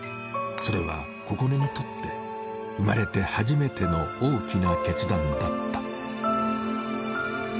それは心寧にとって生まれて初めての大きな決断だった。